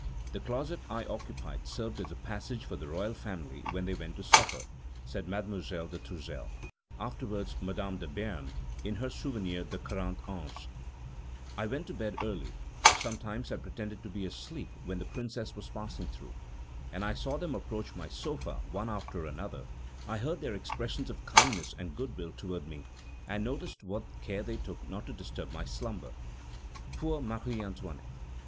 "The closet I occupied served as a passage for the royal family when they went to supper," says Mademoiselle de Tourzel, afterwards Madame de Béarn, in her Souvenirs de Quarante Ans; "I went to bed early; sometimes I pretended to be asleep when the Princes were passing through, and I saw them approach my sofa, one after another; I heard their expressions of kindness and good will toward me, and noticed what care they took not to disturb my slumber." Poor Marie Antoinette!